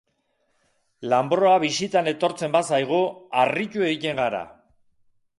Lanbroa bisitan etortzen bazaigu, harritu egiten gara.